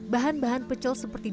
bahan bahan pecel seperti